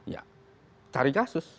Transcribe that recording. ya cari kasus